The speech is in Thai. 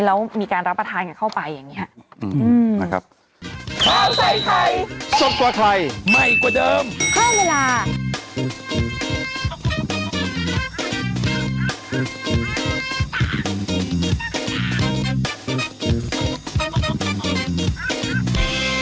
แล้วมีการรับประทานกันเข้าไปอย่างนี้ครับนะครับ